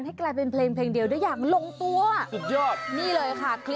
ให้ท้อให้ท้ายว่ากลุกสาวแล้วมันกระหาร